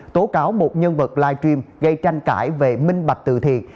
tố cáo một nhân vật live stream gây tranh cãi về minh bạch từ thiện